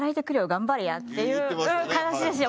頑張れや」っていう話ですよ。